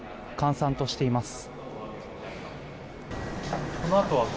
閑散としています。